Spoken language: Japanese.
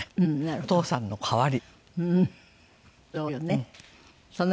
お父さんの代わり。